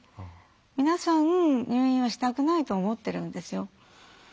皆さん、入院をしたくないと思ってるんですよ。